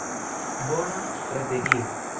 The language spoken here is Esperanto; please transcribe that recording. Bona strategio.